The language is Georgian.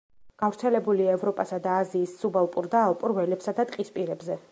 გავრცელებულია ევროპასა და აზიის სუბალპურ და ალპურ ველებსა და ტყისპირებზე.